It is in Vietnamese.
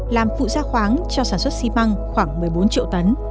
làm phụ gia khoáng cho sản xuất xi măng khoảng một mươi bốn triệu tấn